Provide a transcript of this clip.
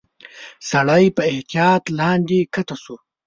سړی په احتياط لاندي کښته شو.